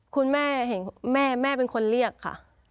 คุณแม่เห็นแม่แม่เป็นคนเรียกค่ะ